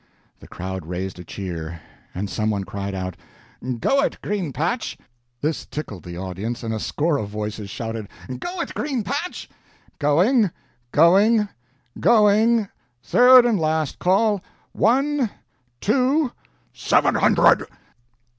The crowd raised a cheer, and some one cried out, "Go it, Green patch!" This tickled the audience and a score of voices shouted, "Go it, Green patch!" "Going going going third and last call one two " "Seven hundred!"